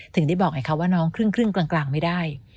ถึงได้บอกไงคะว่าน้องครึ่งกลางไม่ได้